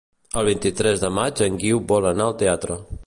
El vint-i-tres de maig en Guiu vol anar al teatre.